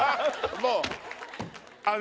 もうあの。